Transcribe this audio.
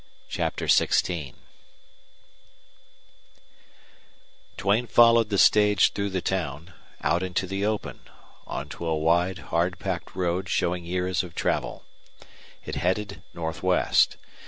CHAPTER XVI Duane followed the stage through the town, out into the open, on to a wide, hard packed road showing years of travel. It headed northwest.